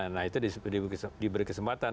nah itu diberi kesempatan